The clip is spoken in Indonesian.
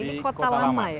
di kota lama ya